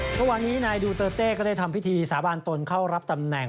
เมื่อวานนี้นายดูเตอร์เต้ก็ได้ทำพิธีสาบานตนเข้ารับตำแหน่ง